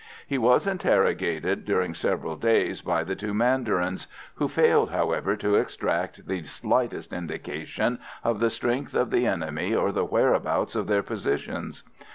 He was interrogated during several days by the two mandarins, who failed, however, to extract the slightest indication of the strength of the enemy or the whereabouts of their positions.